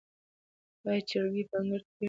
آیا چرګې په انګړ کې ګرځي؟